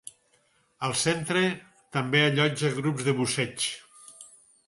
El centre també allotja grups de busseig.